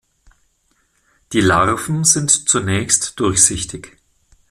Die Larven sind zunächst durchsichtig.